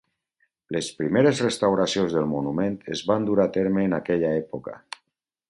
Les primeres restauracions del monument es van dur a terme en aquella època.